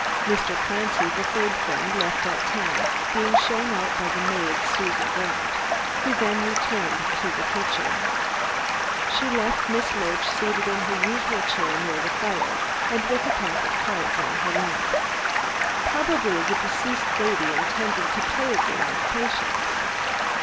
Mr. Clancy, the third friend, left at ten, being shown out by the maid Susan Grant, who then returned to the kitchen. She left Miss Loach seated in her usual chair near the fire, and with a pack of cards on her lap. Probably the deceased lady intended to play a game of 'Patience'!